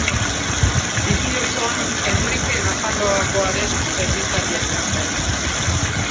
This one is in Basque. Bizi osoan Henrike Nafarroakoaren zerbitzaria izan zen.